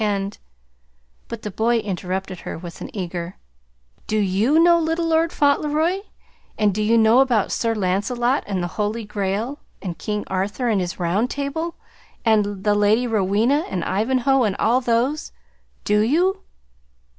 "And " But the boy interrupted her with an eager: "Do YOU know Little Lord Fauntleroy? And do you know about Sir Lancelot, and the Holy Grail, and King Arthur and his Round Table, and the Lady Rowena, and Ivanhoe, and all those? DO you?"